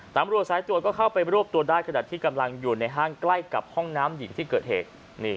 ตำรวจสายตรวจก็เข้าไปรวบตัวได้ขณะที่กำลังอยู่ในห้างใกล้กับห้องน้ำหญิงที่เกิดเหตุ